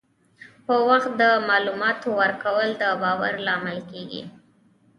په وخت د معلوماتو ورکول د باور لامل کېږي.